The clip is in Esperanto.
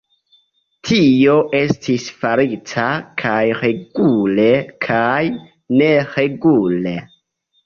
Tio estis farita kaj regule kaj neregule.